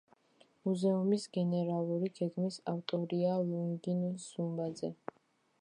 მუზეუმის გენერალური გეგმის ავტორია ლონგინოზ სუმბაძე.